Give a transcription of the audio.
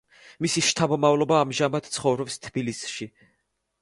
მისი შთამომავლობა ამჟამად ცხოვრობს თბილისში.